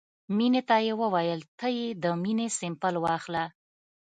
مينې ته يې وويل ته يې د وينې سېمپل واخله.